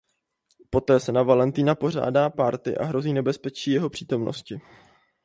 Poté se na Valentýna pořádá párty a hrozí nebezpečí jeho přítomnosti.